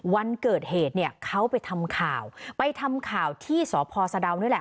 วันเกิดเหตุเขาไปทำข่าวไปทำข่าวที่สศดนี่แหละ